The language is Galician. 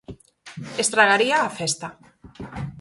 Estragaría a festa.